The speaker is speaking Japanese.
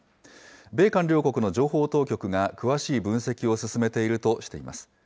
米韓両国の情報当局が詳しい分析を進めているとしています。